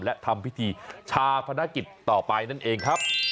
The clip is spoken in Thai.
และทำพิธีชาพนักกิจต่อไปนั่นเองครับ